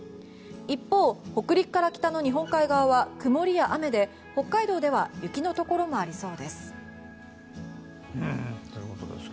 一方、北陸から北の日本海側は曇りや雨で北海道では雪のところがありそうです。